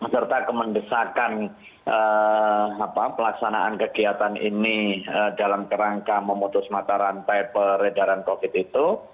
serta kemendesakan pelaksanaan kegiatan ini dalam kerangka memutus mata rantai peredaran covid itu